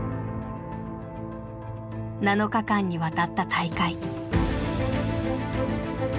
７日間にわたった大会。